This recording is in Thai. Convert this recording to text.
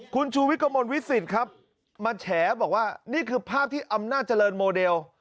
คุณชูวิทย์กระมวลวิสิตครับมาแฉบอกว่านี่คือภาพที่อำนาจเจริญโมเดล